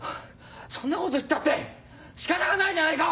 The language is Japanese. そんなこと言ったって仕方がないじゃないか！